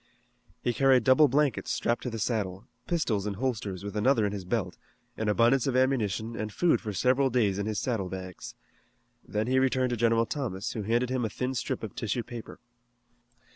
He carried double blankets strapped to the saddle, pistols in holsters with another in his belt, an abundance of ammunition, and food for several days in his saddle bags. Then he returned to General Thomas, who handed him a thin strip of tissue paper.